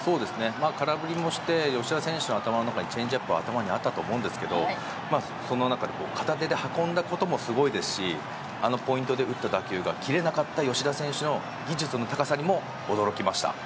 空振りもして吉田選手の頭の中にチェンジアップがあったと思うんですけどその中で片手で運んだこともすごいですしあのポイントで打った打球が切れなかった吉田選手の技術の高さにも驚きました。